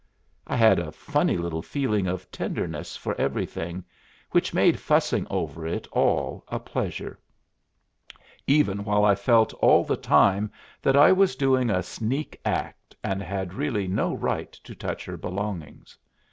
I had a funny little feeling of tenderness for everything, which made fussing over it all a pleasure, even while I felt all the time that I was doing a sneak act and had really no right to touch her belongings.